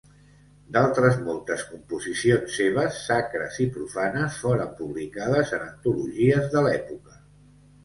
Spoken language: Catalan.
D'altres moltes composicions seves, sacres i profanes, foren publicades en antologies de l'època.